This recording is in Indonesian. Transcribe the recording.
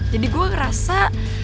jadi gue ngerasa